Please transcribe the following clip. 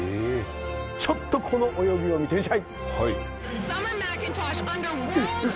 ちょっとこの泳ぎを見てみんしゃい！